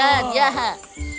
tapi dia tahu apa itu